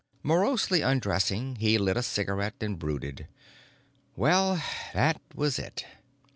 Morosely undressing he lit a cigarette and brooded: well, that was it.